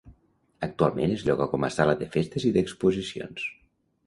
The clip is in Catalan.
Actualment es lloga com a sala de festes i d'exposicions.